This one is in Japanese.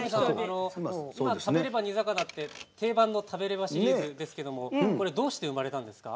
「食べれば煮魚」って定番の「食べればシリーズ」ですがどうして生まれたんですか？